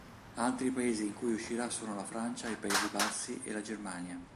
Altri Paesi in cui uscirà sono la Francia, i Paesi Bassi e la Germania.